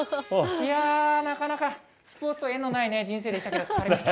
いやぁ、なかなかスポーツと縁のない人生でしたから、疲れました。